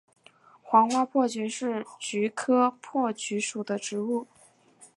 黄花珀菊是菊科珀菊属的植物。